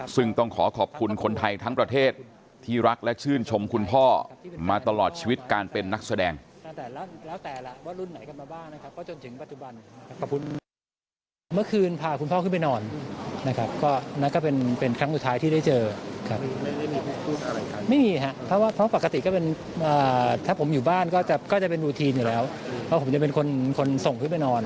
ซึ่งต้องขอขอบคุณคนไทยทั้งประเทศที่รักและชื่นชมคุณพ่อมาตลอดชีวิตการเป็นนักแสดง